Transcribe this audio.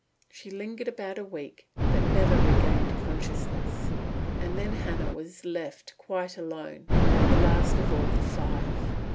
She lingered about a week, but never regained consciousness, and then Hannah was left quite alone, the last of all the five.